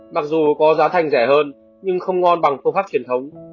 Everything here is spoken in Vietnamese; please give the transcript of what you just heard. mặc dù có giá thành rẻ hơn nhưng không ngon bằng phương pháp truyền thống